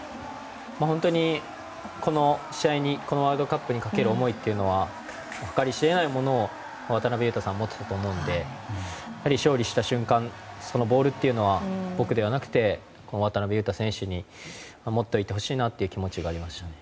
本当に、この試合にこのワールドカップにかける思いというのは計り知れないものを渡邊雄太さんが持っていたと思うので勝利した瞬間ボールというのは僕ではなくて渡邊雄太選手に持っておいてほしいなという気持ちがありましたね。